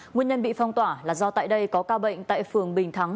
nguyên nhân bị phong tỏa là do tại đây có ca bệnh tại phường bình thắng